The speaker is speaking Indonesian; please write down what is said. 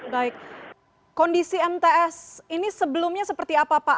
baik kondisi mts ini sebelumnya seperti apa pak